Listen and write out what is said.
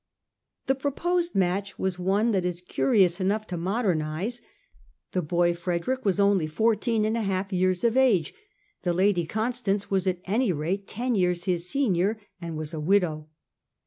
The proposed match was one that is curious enough to modern eyes. The boy Frederick was only fourteen and a half years of age. The lady, Constance, was at any rate ten years his senior and was a widow.